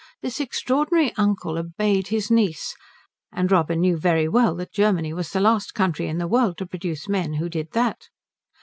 This extraordinary uncle obeyed his niece; and Robin knew very well that Germany was the last country in the world to produce men who did that.